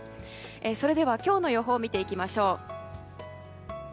それでは今日の予報を見ていきましょう。